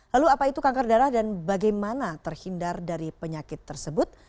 lalu apa itu kanker darah dan bagaimana terhindar dari penyakit tersebut